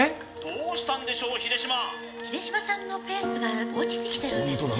どうしたんでしょう秀島秀島さんのペースが落ちてきてるんですね